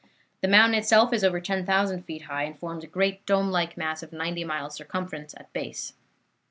The mountain itself is over 10,000 feet high, and forms a great dome like mass of 90 miles circumference at base.